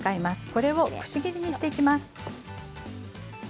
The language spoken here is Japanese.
これをくし切りにしていきます。